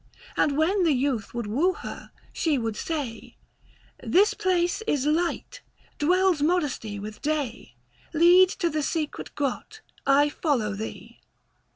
And when the youth would woo her, she would say, "This place is light, dwells modesty with day: 130 Lead to the secret grot, I follow thee."